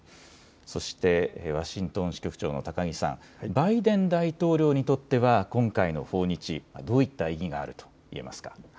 そしてワシントン支局長の高木さん、バイデン大統領にとっては今回の訪日、どういった意義があると見えますか。